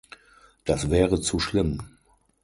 Das wäre zu schlimm!